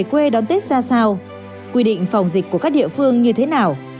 quy định phòng dịch của các địa phương như thế nào